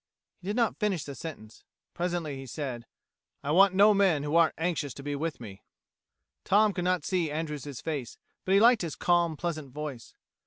He did not finish the sentence. Presently he said: "I want no men who aren't anxious to be with me." Tom could not see Andrews' face, but he liked his calm, pleasant voice.